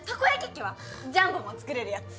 ジャンボも作れるやつ。